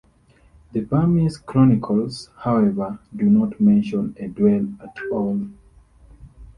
The Burmese chronicles, however, do not mention a duel at all.